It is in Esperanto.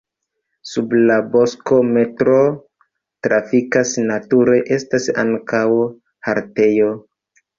Sub la bosko metroo trafikas, nature estas ankaŭ haltejo.